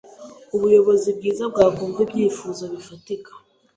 Ubuyobozi bwiza bwakumva ibyifuzo bifatika.